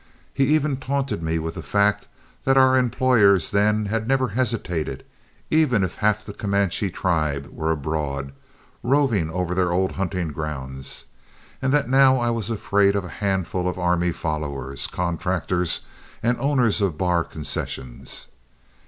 He even taunted me with the fact that our employers then never hesitated, even if half the Comanche tribe were abroad, roving over their old hunting grounds, and that now I was afraid of a handful of army followers, contractors, and owners of bar concessions.